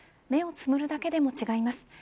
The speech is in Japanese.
目をつむるだけでも違います。